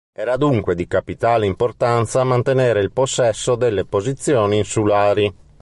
Era dunque di capitale importanza mantenere il possesso delle posizioni insulari.